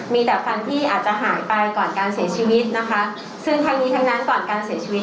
มีแต่ฟันที่อาจจะหายไปก่อนการเสียชีวิตนะคะซึ่งทั้งนี้ทั้งนั้นก่อนการเสียชีวิต